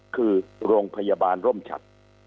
คือโรงพยาบาลร่มฉัด